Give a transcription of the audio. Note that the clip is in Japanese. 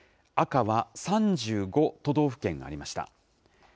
赤は３５都道府県ありました。